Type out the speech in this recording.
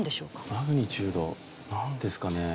マグニチュードなんですかね。